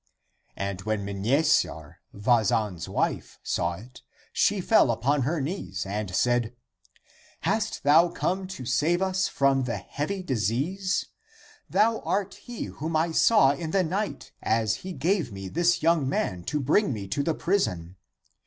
And when Mnesar, Vazan's wife, saw it, she fell upon her knees and said, " Hast thou come to save us from the heavy disease? Thou art he whom I saw in the night as he gave me this young man to bring me to the prison.